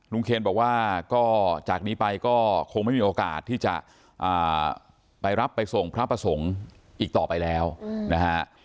เคนบอกว่าก็จากนี้ไปก็คงไม่มีโอกาสที่จะไปรับไปส่งพระประสงค์อีกต่อไปแล้วนะฮะ